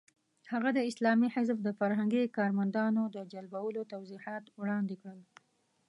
هغه د اسلامي حزب د فرهنګي کارمندانو د جلبولو توضیحات وړاندې کړل.